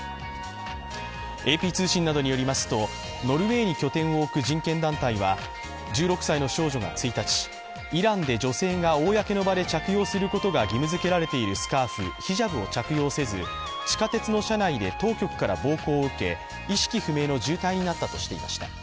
ＡＰ通信などによりますと、ノルウェーに拠点を置く人権団体は１６歳の少女が１日、イランで女性が公の場で着用することが義務づけられているヒジャブを着用せず、地下鉄の車内で当局から暴行を受け、意識不明の重体になったとしていました。